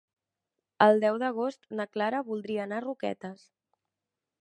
El deu d'agost na Clara voldria anar a Roquetes.